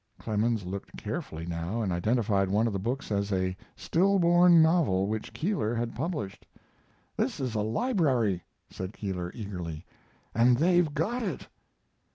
Clemens looked carefully now and identified one of the books as a still born novel which Keeler had published. "This is a library," said Keeler, eagerly, "and they've got it!"